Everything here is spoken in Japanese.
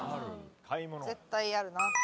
絶対あるな。